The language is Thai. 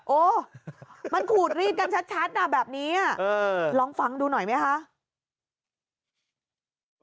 โอ้มันขูดรีดกันชัดน่ะแบบนี้ลองฟังดูหน่อยไหมคะ